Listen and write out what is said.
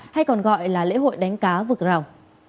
hay còn gọi là lễ hội đánh cá vực rào